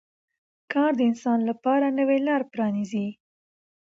کار د انسان لپاره نوې لارې پرانیزي